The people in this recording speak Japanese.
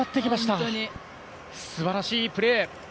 素晴らしいプレー。